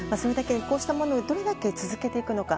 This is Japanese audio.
こうしたものをどれだけ続けていくのか。